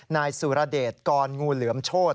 นายสุรเดชกรงูเหลือมโชธ